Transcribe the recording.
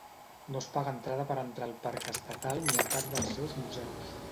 No es paga entrada per entrar al parc estatal ni a cap dels seus museus.